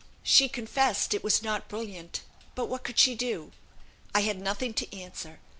She confessed it was not brilliant, but what could she do? I had nothing to answer.